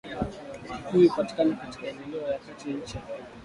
Wakikuyu hupatikana katika eneo la Kati nchini Kenya.